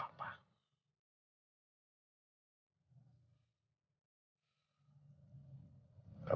kamu kembali ke papa